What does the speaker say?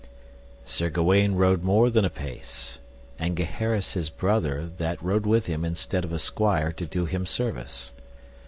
Sir Gawaine rode more than a pace, and Gaheris his brother that rode with him instead of a squire to do him service.